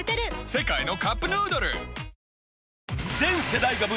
世界のカップヌードル